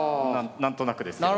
何となくですけど。